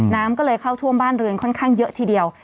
น้ำก็เลยเข้าท่วมบ้านเรือนค่อนข้างเยอะทีเดียว